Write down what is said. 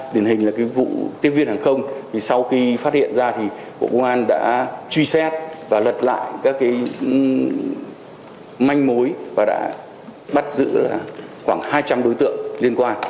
điển hình là vụ tiếp viên hàng không thì sau khi phát hiện ra thì bộ công an đã truy xét và lật lại các cái manh mối và đã bắt giữ khoảng hai trăm linh đối tượng liên quan